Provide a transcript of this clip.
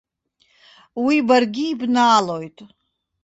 Уи баргьы ибнаалоит.